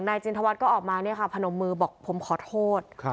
จินทวัฒน์ก็ออกมาพนมมือบอกผมขอโทษ